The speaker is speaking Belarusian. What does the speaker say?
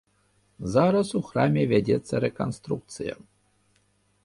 Зараз у храме вядзецца рэканструкцыя.